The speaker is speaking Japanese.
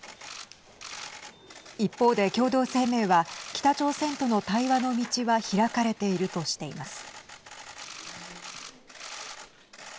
一方で、共同声明は北朝鮮との対話の道は開かれているとしています。